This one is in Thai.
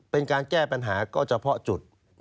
เป็นการแก้ปัญหาก็เฉพาะจุด